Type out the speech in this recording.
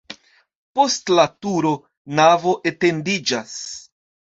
Post la turo navo etendiĝas.